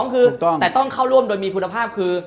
๒คือแต่ต้องเข้าร่วมโดยมีคุณภาพคือ